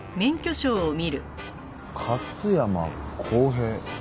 「勝山康平」。